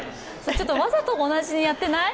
わざと同じにやってない？